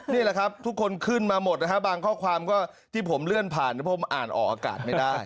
นี่แหละครับทุกคนขึ้นมาหมดนะฮะบางข้อความก็ที่ผมเลื่อนผ่านผมอ่านออกอากาศไม่ได้